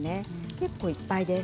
結構いっぱいです。